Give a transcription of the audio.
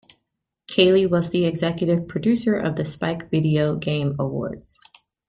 Keighley was the executive producer of the Spike Video Game Awards.